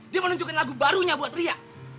dia menunjukkan lagu barunya buat ria